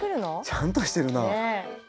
ちゃんとしてるな。